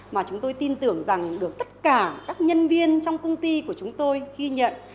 mà chúng tôi tin tưởng rằng được tất cả các nhân viên trong công ty của chúng tôi ghi nhận